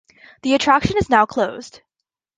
The attraction is now closed.